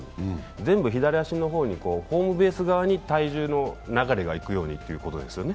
全部左足の方、ホームベース側に体重の流れが行くようにということですよね。